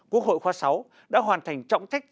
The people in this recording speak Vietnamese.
quốc hội khóa sáu đã hoàn thành trọng trách